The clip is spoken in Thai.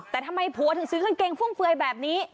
แต่ทำไมผัวถึงซื้อกางเกงฟุ่มเฟือยแบบนี้